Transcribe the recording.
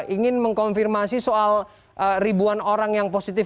ingin mengkonfirmasi soal ribuan orang yang positif